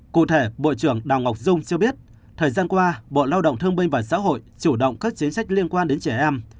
cụ thể bộ trưởng đào ngọc dung cho biết thời gian qua bộ lao động thương binh và xã hội chủ động các chính sách liên quan đến trẻ em